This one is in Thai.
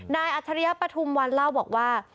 นายอัชริยปฐมวันเล่าบอกว่า